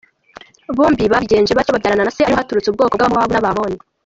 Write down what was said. Bombi babigenje batyo babyarana na se ariho haturutse ubwoko bw’Abamowabu n’abamoni .